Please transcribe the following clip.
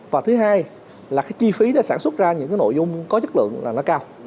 và thứ hai là cái chi phí để sản xuất ra những cái nội dung có chất lượng là nó cao